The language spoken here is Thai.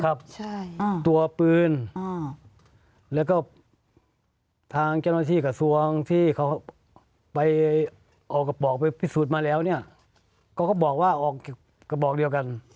ตัวปืนแล้วก็ทางเจ้าหน้าที่กระทรวงที่เขาไปเอากระบอกไปพิสูจน์มาแล้วเนี่ยเขาก็บอกว่าออกกระบอกเดียวกัน